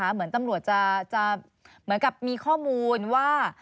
เหมือนตำรวจจะเหมือนกับมีข้อมูลว่า